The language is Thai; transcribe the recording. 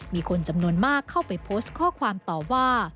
มีคนจำนวนมากเข้าไปโพสต์ข้อความต่อว่า